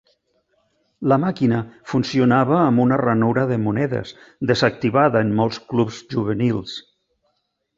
La màquina funcionava amb una ranura de monedes desactivada en molts clubs juvenils.